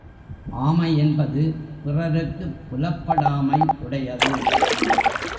ஆமை என்பது பிறருக்குப் புலப்படாமை உடையது.